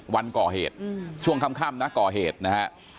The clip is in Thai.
วันก่อเหตุช่วงค่ำนะก่อเหตุนะฮะ